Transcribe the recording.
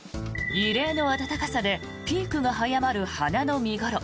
異例の暖かさでピークが早まる花の見頃。